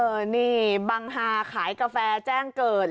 นี่บังฮาขายกาแฟแจ้งเกิด